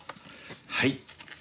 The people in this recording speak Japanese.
はい！